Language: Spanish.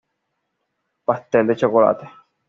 Pastel de chocolate.